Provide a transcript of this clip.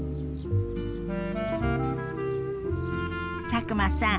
佐久間さん